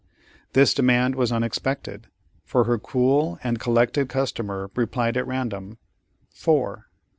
This demand was unexpected, but her cool and collected customer replied at random, "Four."